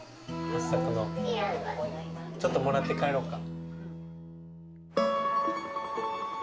はっさくのちょっともらって帰ろうか。